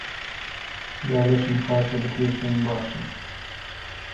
یا لەشم خاشە بکێشن باشە